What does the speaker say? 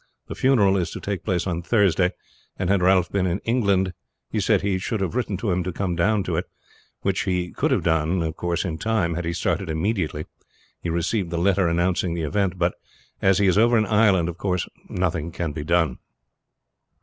The funeral is to take place on Thursday, and had Ralph been in England he said that he should have written to him to come down to it, which he could have done in time had he started immediately he received the letter announcing the event; but as he is over in Ireland, of course nothing can be done.